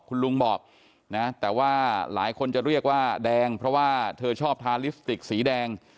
คุณลุงบอกนะแต่ว่าหลายคนจะเรียกว่าแดงเพราะว่าเธอชอบทาลิปสติกสีแดง